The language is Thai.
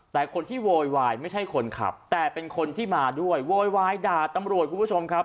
แต่คนที่โวยวายไม่ใช่คนขับแต่เป็นคนที่มาด้วยโวยวายด่าตำรวจคุณผู้ชมครับ